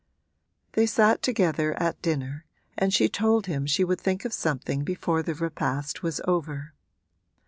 They sat together at dinner and she told him she would think of something before the repast was over.